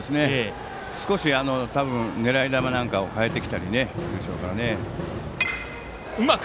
少し、狙い球なんかを変えてきたりするでしょうからね。